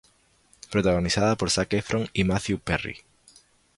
Protagonizada por Zac Efron y Matthew Perry.